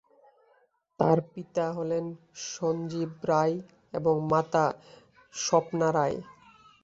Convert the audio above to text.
তাঁর পিতা হলেন সঞ্জীব রায় এবং মাতা স্বপ্না রায়।